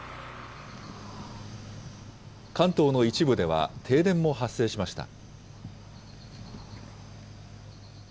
関東の一部では、停電も発生しました。